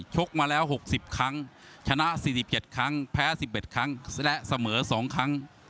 กมาแล้ว๖๐ครั้งชนะ๔๗ครั้งแพ้๑๑ครั้งและเสมอ๒ครั้ง